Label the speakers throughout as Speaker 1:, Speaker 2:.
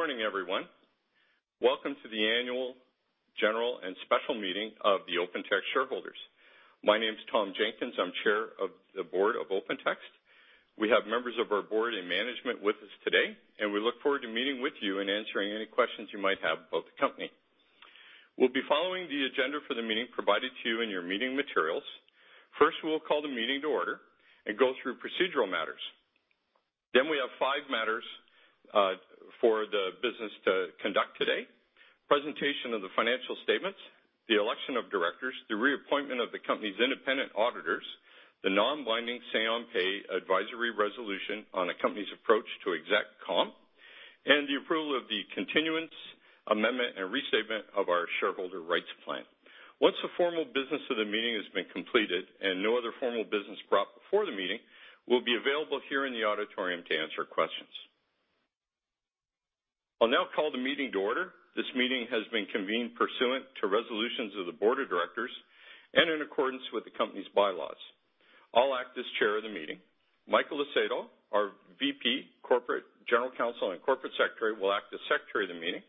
Speaker 1: Good morning, everyone. Welcome to the annual general and special meeting of the Open Text shareholders. My name is Tom Jenkins. I'm chair of the board of Open Text. We have members of our board and management with us today, and we look forward to meeting with you and answering any questions you might have about the company. We'll be following the agenda for the meeting provided to you in your meeting materials. First, we'll call the meeting to order and go through procedural matters. We have five matters for the business to conduct today, presentation of the financial statements, the election of directors, the reappointment of the company's independent auditors, the non-binding say on pay advisory resolution on a company's approach to exec comp, and the approval of the continuance, amendment, and restatement of our shareholder rights plan. Once the formal business of the meeting has been completed and no other formal business brought before the meeting, we'll be available here in the auditorium to answer questions. I'll now call the meeting to order. This meeting has been convened pursuant to resolutions of the board of directors and in accordance with the company's bylaws. I'll act as chair of the meeting. Michael Acedo, our VP, Corporate General Counsel, and Corporate Secretary will act as secretary of the meeting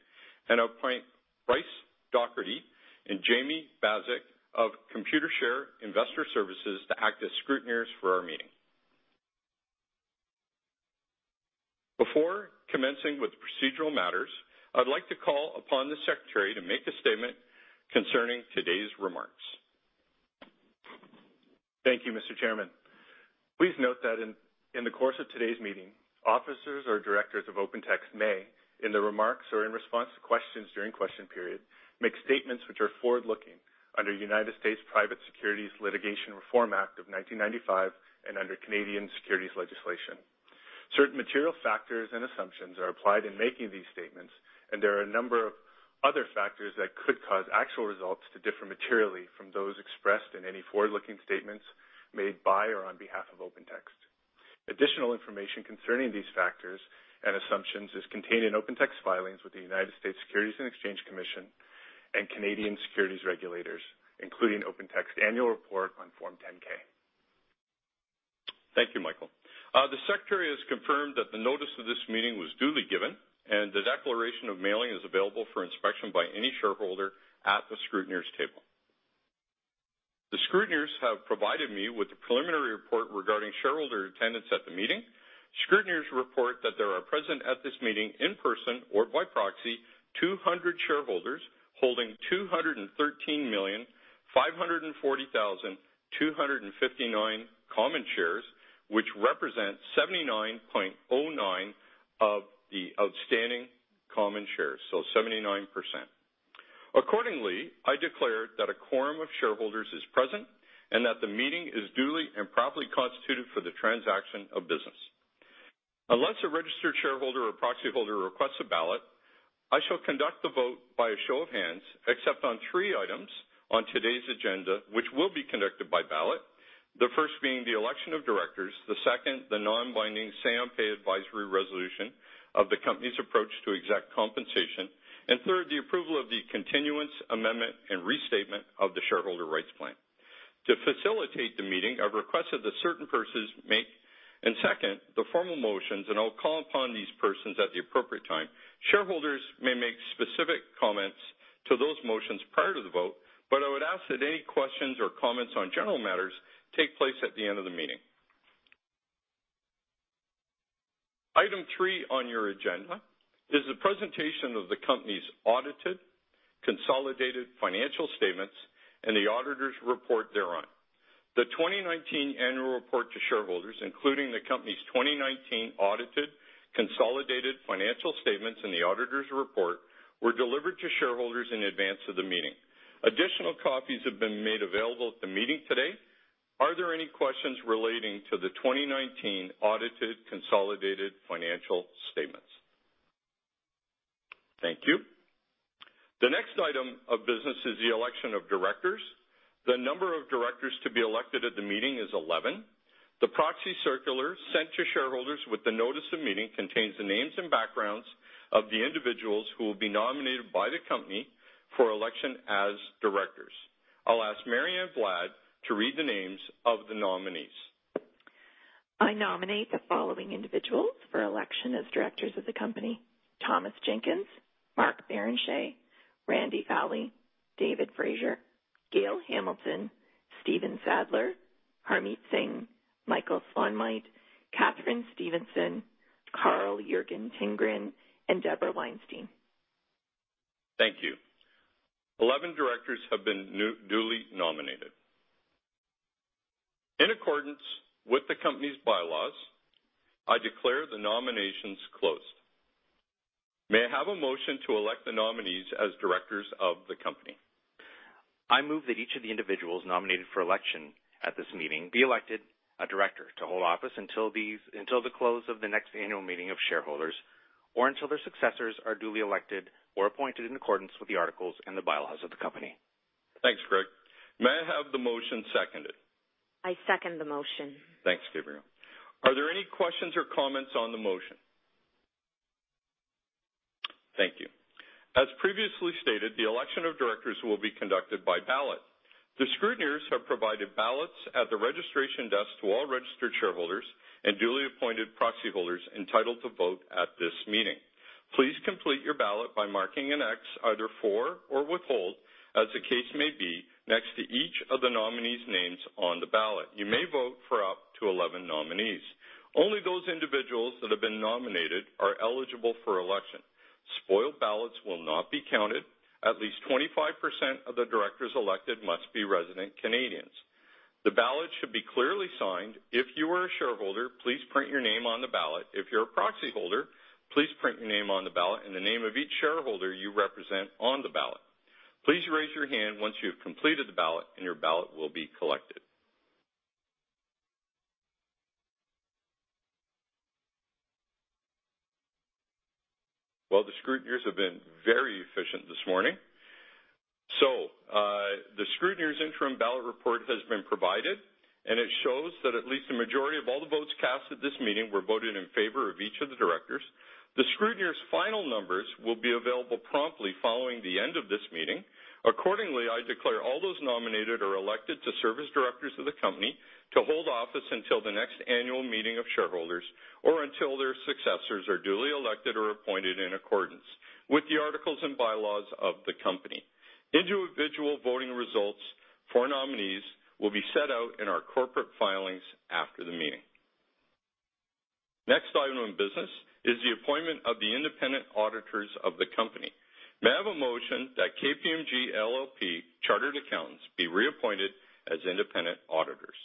Speaker 1: and appoint Bryce Dougherty and Jamie Basik of Computershare Investor Services to act as scrutineers for our meeting. Before commencing with procedural matters, I'd like to call upon the secretary to make a statement concerning today's remarks.
Speaker 2: Thank you, Mr. Chairman. Please note that in the course of today's meeting, officers or directors of Open Text may, in the remarks or in response to questions during question period, make statements which are forward-looking under United States Private Securities Litigation Reform Act of 1995 and under Canadian Securities Legislation. Certain material factors and assumptions are applied in making these statements, and there are a number of other factors that could cause actual results to differ materially from those expressed in any forward-looking statements made by or on behalf of Open Text. Additional information concerning these factors and assumptions is contained in Open Text filings with the United States Securities and Exchange Commission and Canadian securities regulators, including Open Text Annual Report on Form 10-K.
Speaker 1: Thank you, Michael. The secretary has confirmed that the notice of this meeting was duly given, and the declaration of mailing is available for inspection by any shareholder at the scrutineers' table. The scrutineers have provided me with the preliminary report regarding shareholder attendance at the meeting. Scrutineers report that there are present at this meeting in person or by proxy, 200 shareholders holding 213,540,259 common shares, which represent 79.09% of the outstanding common shares, so 79%. Accordingly, I declare that a quorum of shareholders is present and that the meeting is duly and properly constituted for the transaction of business. Unless a registered shareholder or proxy holder requests a ballot, I shall conduct the vote by a show of hands, except on three items on today's agenda, which will be conducted by ballot. The first being the election of directors, the second, the non-binding say on pay advisory resolution of the company's approach to exec compensation, and third, the approval of the continuance, amendment, and restatement of the shareholder rights plan. To facilitate the meeting, I've requested that certain persons make and second the formal motions, and I'll call upon these persons at the appropriate time. Shareholders may make specific comments to those motions prior to the vote, but I would ask that any questions or comments on general matters take place at the end of the meeting. Item three on your agenda is the presentation of the company's audited, consolidated financial statements and the auditors' report thereon. The 2019 annual report to shareholders, including the company's 2019 audited, consolidated financial statements and the auditors' report, were delivered to shareholders in advance of the meeting. Additional copies have been made available at the meeting today. Are there any questions relating to the 2019 audited, consolidated financial statements? Thank you. The next item of business is the election of directors. The number of directors to be elected at the meeting is 11. The proxy circular sent to shareholders with the notice of meeting contains the names and backgrounds of the individuals who will be nominated by the company for election as directors. I'll ask Mary Ann Valad to read the names of the nominees.
Speaker 3: I nominate the following individuals for election as directors of the company: Thomas Jenkins, Mark Barrenechea, Randy Fowlie, David Fraser, Gail Hamilton, Stephen Sadler, Harmit Singh, Michael Slaunwhite, Katharine Stevenson, Carl Jürgen Tinggren, and Deborah Weinstein.
Speaker 1: Thank you. 11 directors have been duly nominated. In accordance with the company's bylaws, I declare the nominations closed. May I have a motion to elect the nominees as directors of the company?
Speaker 4: I move that each of the individuals nominated for election at this meeting be elected a director to hold office until the close of the next annual meeting of shareholders, or until their successors are duly elected or appointed in accordance with the articles and the bylaws of the company.
Speaker 1: Thanks, Greg. May I have the motion seconded?
Speaker 4: I second the motion.
Speaker 1: Thanks, Gabrielle. Are there any questions or comments on the motion? Thank you. As previously stated, the election of directors will be conducted by ballot. The scrutineers have provided ballots at the registration desk to all registered shareholders and duly appointed proxy holders entitled to vote at this meeting. Please complete your ballot by marking an X either for or withhold, as the case may be, next to each of the nominees' names on the ballot. You may vote for up to 11 nominees. Only those individuals that have been nominated are eligible for election. Spoiled ballots will not be counted. At least 25% of the directors elected must be resident Canadians. The ballot should be clearly signed. If you are a shareholder, please print your name on the ballot. If you're a proxy holder, please print your name on the ballot and the name of each shareholder you represent on the ballot. Please raise your hand once you have completed the ballot, and your ballot will be collected. Well, the scrutineers have been very efficient this morning. The scrutineers' interim ballot report has been provided, and it shows that at least a majority of all the votes cast at this meeting were voted in favor of each of the directors. The scrutineers' final numbers will be available promptly following the end of this meeting. Accordingly, I declare all those nominated are elected to serve as directors of the company, to hold office until the next annual meeting of shareholders, or until their successors are duly elected or appointed in accordance with the articles and bylaws of the company. Individual voting results for nominees will be set out in our corporate filings after the meeting. Next item of business is the appointment of the independent auditors of the company. May I have a motion that KPMG LLP chartered accountants be reappointed as independent auditors?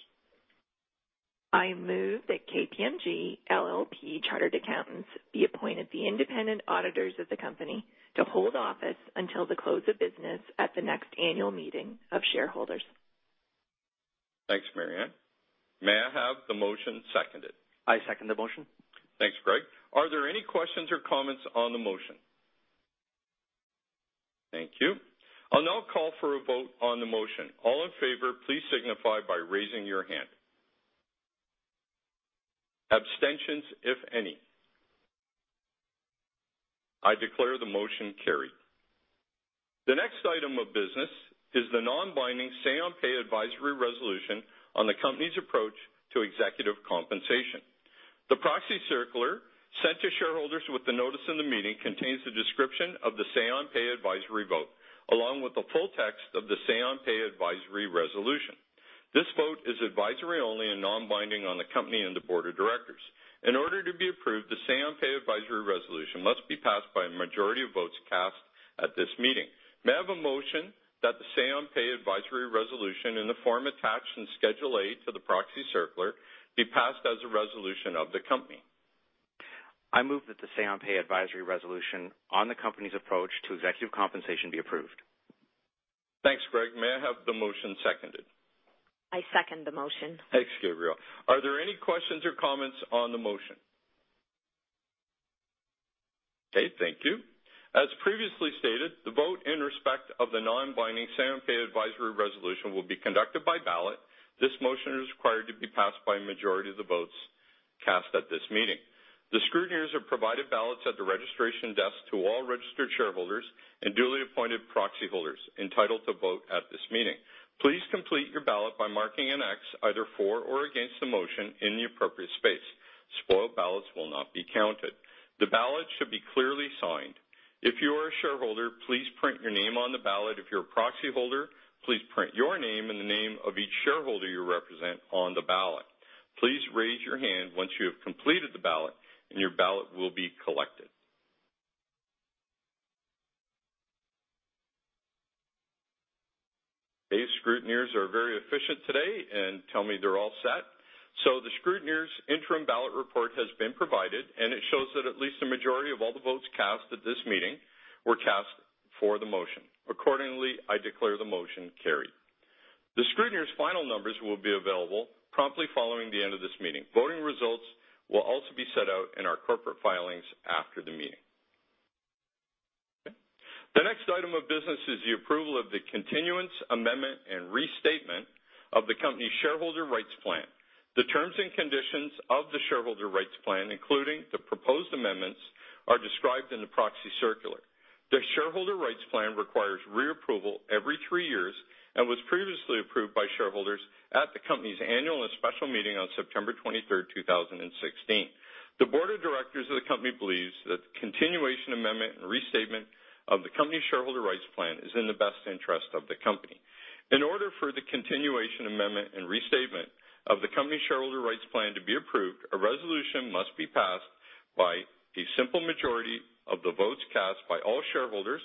Speaker 3: I move that KPMG LLP Chartered Accountants be appointed the independent auditors of the company to hold office until the close of business at the next annual meeting of shareholders.
Speaker 1: Thanks, Mary Ann. May I have the motion seconded?
Speaker 4: I second the motion.
Speaker 1: Thanks, Greg. Are there any questions or comments on the motion? Thank you. I'll now call for a vote on the motion. All in favor, please signify by raising your hand. Abstentions, if any. I declare the motion carried. The next item of business is the non-binding say on pay advisory resolution on the company's approach to executive compensation. The proxy circular sent to shareholders with the notice of the meeting contains a description of the say on pay advisory vote, along with the full text of the say on pay advisory resolution. This vote is advisory only and non-binding on the company and the board of directors. In order to be approved, the say on pay advisory resolution must be passed by a majority of votes cast at this meeting. May I have a motion that the say on pay advisory resolution in the form attached in Schedule A to the proxy circular be passed as a resolution of the company?
Speaker 4: I move that the say on pay advisory resolution on the company's approach to executive compensation be approved.
Speaker 1: Thanks, Greg. May I have the motion seconded?
Speaker 4: I second the motion.
Speaker 1: Thanks, Gabrielle. Are there any questions or comments on the motion? Okay, thank you. As previously stated, the vote in respect of the non-binding say on pay advisory resolution will be conducted by ballot. This motion is required to be passed by a majority of the votes cast at this meeting. The scrutineers have provided ballots at the registration desk to all registered shareholders and duly appointed proxy holders entitled to vote at this meeting. Please complete your ballot by marking an X either for or against the motion in the appropriate space. Spoiled ballots will not be counted. The ballot should be clearly signed. If you are a shareholder, please print your name on the ballot. If you're a proxy holder, please print your name and the name of each shareholder you represent on the ballot. Please raise your hand once you have completed the ballot, and your ballot will be collected. The scrutineers are very efficient today and tell me they're all set. The scrutineers' interim ballot report has been provided, and it shows that at least a majority of all the votes cast at this meeting were cast for the motion. Accordingly, I declare the motion carried. The scrutineers' final numbers will be available promptly following the end of this meeting. Voting results will also be set out in our corporate filings after the meeting. Okay. The next item of business is the approval of the continuance amendment and restatement of the company's shareholder rights plan. The terms and conditions of the shareholder rights plan, including the proposed amendments, are described in the proxy circular. The shareholder rights plan requires reapproval every three years and was previously approved by shareholders at the company's annual and special meeting on September 23rd, 2016. The board of directors of the company believes that the continuation amendment and restatement of the company's shareholder rights plan is in the best interest of the company. In order for the continuation amendment and restatement of the company shareholder rights plan to be approved, a resolution must be passed by a simple majority of the votes cast by all shareholders,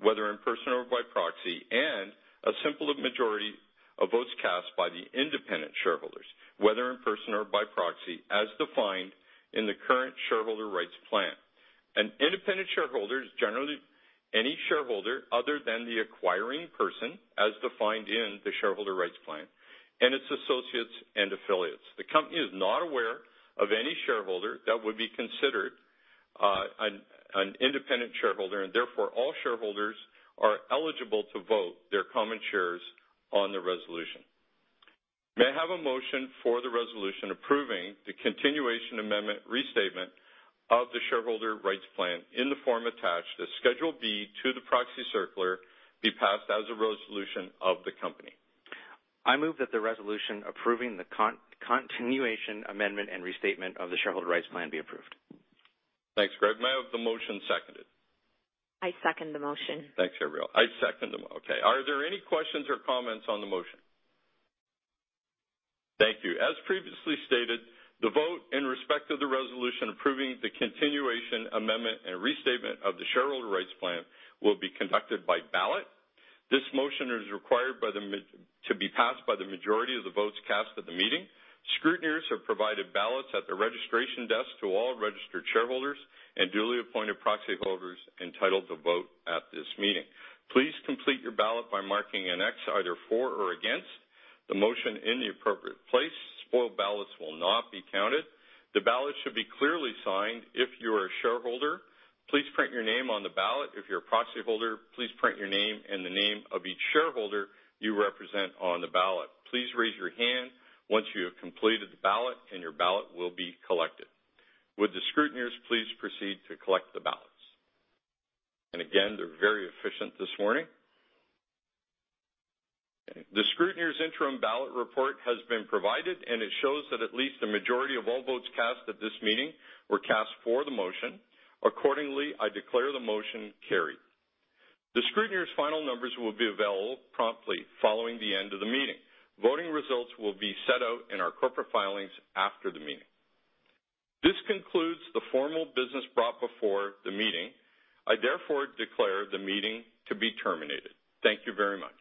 Speaker 1: whether in person or by proxy, and a simple majority of votes cast by the independent shareholders, whether in person or by proxy, as defined in the current shareholder rights plan. An independent shareholder is generally any shareholder other than the acquiring person, as defined in the shareholder rights plan, and its associates and affiliates. The company is not aware of any shareholder that would be considered an independent shareholder, and therefore, all shareholders are eligible to vote their common shares on the resolution. May I have a motion for the resolution approving the continuation amendment restatement of the shareholder rights plan in the form attached as Schedule B to the proxy circular be passed as a resolution of the company?
Speaker 4: I move that the resolution approving the continuation amendment and restatement of the shareholder rights plan be approved.
Speaker 1: Thanks, Greg. May I have the motion seconded?
Speaker 4: I second the motion.
Speaker 1: Thanks, Gabrielle. I second okay. Are there any questions or comments on the motion? Thank you. As previously stated, the vote in respect of the resolution approving the continuation amendment and restatement of the shareholder rights plan will be conducted by ballot. This motion is required to be passed by the majority of the votes cast at the meeting. Scrutineers have provided ballots at the registration desk to all registered shareholders and duly appointed proxy holders entitled to vote at this meeting. Please complete your ballot by marking an X either for or against the motion in the appropriate place. Spoiled ballots will not be counted. The ballot should be clearly signed. If you're a shareholder, please print your name on the ballot. If you're a proxy holder, please print your name and the name of each shareholder you represent on the ballot. Please raise your hand once you have completed the ballot, and your ballot will be collected. Would the scrutineers please proceed to collect the ballots? Again, they're very efficient this morning. Okay. The scrutineers' interim ballot report has been provided, and it shows that at least a majority of all votes cast at this meeting were cast for the motion. Accordingly, I declare the motion carried. The scrutineers' final numbers will be available promptly following the end of the meeting. Voting results will be set out in our corporate filings after the meeting. This concludes the formal business brought before the meeting. I therefore declare the meeting to be terminated. Thank you very much.